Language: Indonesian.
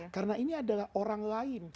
karena ini adalah orang lain